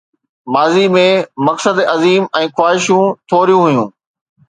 ماضي ۾، مقصد عظيم ۽ خواهشون ٿوريون هيون.